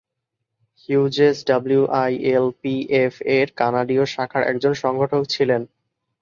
Hughes ডাব্লিউআইএলপিএফ-এর কানাডীয় শাখার একজন সংগঠক ছিলেন।